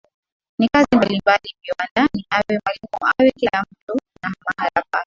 ni kazi mbalimbali viwandani awe mwalimu awe kila mtu na mahala pake